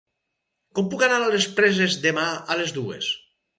Com puc anar a les Preses demà a les dues?